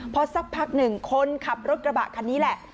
พอสักพักหนึ่งคนขับรถกระบะคันนี้แหละ